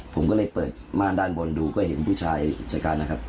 ผมก็เลยเปิดม่านด้านบนดูก็เห็นผู้ชายชะกันนะครับ